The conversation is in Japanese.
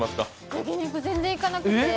焼き肉、全然行かなくて。